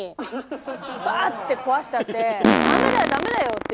バーッつって壊しちゃってダメだよダメだよ！って